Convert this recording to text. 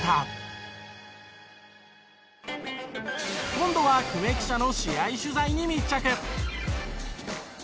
今度は久米記者の試合取材に密着。